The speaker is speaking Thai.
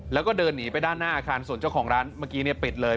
แล้วก็เดินหนีไปด้านหน้าอาคารส่วนเจ้าของร้านเมื่อกี้ปิดเลย